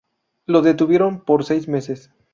Lo detuvieron por seis meses.